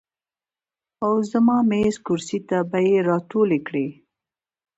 او زما میز، کرسۍ ته به ئې راټولې کړې ـ